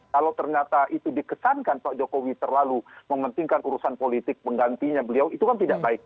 kalau ternyata itu dikesankan pak jokowi terlalu mementingkan urusan politik penggantinya beliau itu kan tidak baik